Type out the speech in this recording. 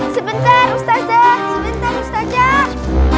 sebentar ustazah sebentar ustazah